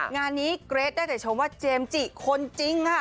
งานนี้เกรทได้แต่ชมว่าเจมส์จิคนจริงค่ะ